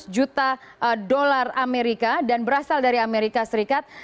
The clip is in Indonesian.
seratus juta dolar amerika dan berasal dari amerika serikat